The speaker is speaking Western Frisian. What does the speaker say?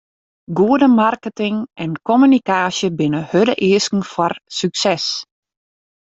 Goede marketing en kommunikaasje binne hurde easken foar sukses.